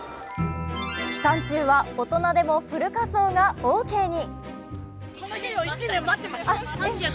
期間中は大人でもフル仮装がオーケーに。